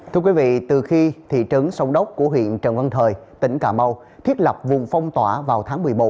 thưa quý vị từ khi thị trấn sông đốc của huyện trần văn thời tỉnh cà mau thiết lập vùng phong tỏa vào tháng một mươi một